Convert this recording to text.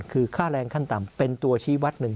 คือค่าแรงขั้นต่ำเป็นตัวชี้วัดหนึ่ง